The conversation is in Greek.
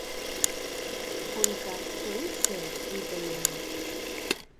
Ο Λουκάς το ήξερε, είπε η Εύα.